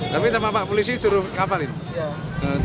tapi sama pak polisi suruh hafalin